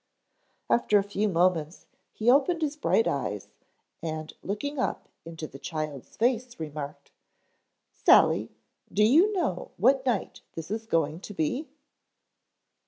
After a few moments he opened his bright eyes and looking up into the child's face remarked: "Sally, do you know what night this is going to be?"